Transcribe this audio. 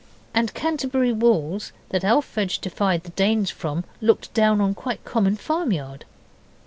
And Canterbury walls that Alphege defied the Danes from looked down on a quite common farmyard.